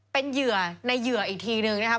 เป็นเหยื่อในเหยื่ออีกทีนึงนะครับ